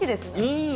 うん！